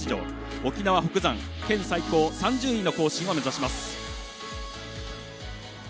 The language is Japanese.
沖縄北山、県最高の３０位の更新を目指します。